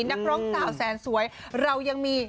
นักร้องสาวแสนสวยเรายังมี